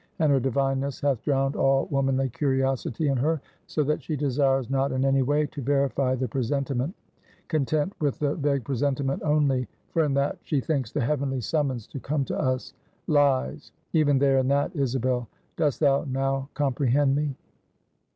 And her divineness hath drowned all womanly curiosity in her; so that she desires not, in any way, to verify the presentiment; content with the vague presentiment only; for in that, she thinks, the heavenly summons to come to us, lies; even there, in that, Isabel. Dost thou now comprehend me?"